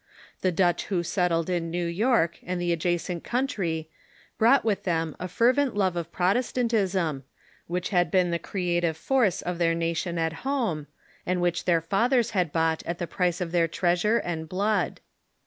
Tlio Dutch who settled in Xew York and the adjacent country brought with them a fervent love of Protestantism, which had been the creative force of their nation at home, and Avhich their fathers bad bought at the price of their treasure and blood.